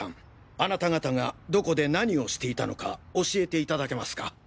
あなた方がどこで何をしていたのか教えていただけますか？